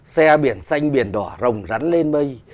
xe biển xanh biển đỏ rồng rắn lên mây